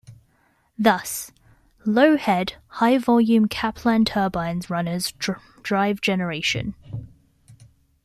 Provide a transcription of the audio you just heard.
Thus, low-head, high-volume Kaplan turbine runners drive generation.